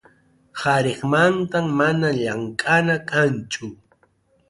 qariqmantam mana llamkʼana kanchu.